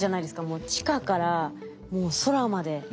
もう地下からもう空まで。